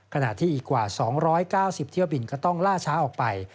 ขณะที่อีกกว่า๒๙๐เที่ยวบินก็ต้องล่าช้าออกไป